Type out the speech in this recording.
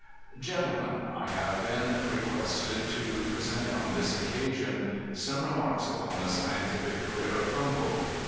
Gentlemen : ŌĆö I have been requested to present on this occasion some remarks upon the scientific career of Humboldt.